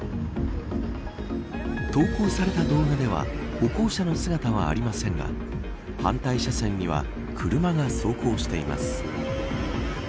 投稿された動画では歩行者の姿はありませんが反対車線には車が走行しています。